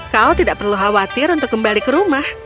kau tidak perlu khawatir untuk kembali ke rumah